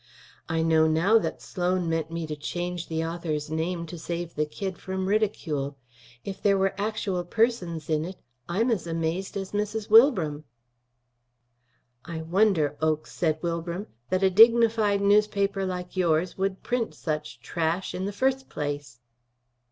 I know now that Sloan meant me to change the author's name to save the kid from ridicule. If there were actual persons in it, I'm as amazed as Mrs. Wilbram." "I wonder, Oakes," said Wilbram, "that a dignified newspaper like yours would print such trash, in the first place."